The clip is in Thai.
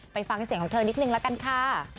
ฟังเสียงของเธอนิดนึงละกันค่ะ